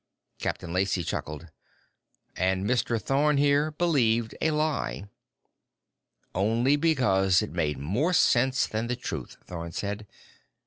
Captain Lacey chuckled. "And Mr. Thorn here believed a lie." "Only because it made more sense than the truth," Thorn said.